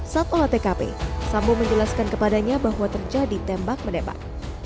saat olah tkp sambo menjelaskan kepadanya bahwa terjadi tembak menembak